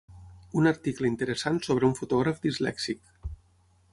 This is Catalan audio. Un article interessant sobre un fotògraf dislèxic.